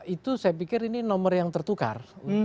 itu saya pikir ini nomor yang tertukar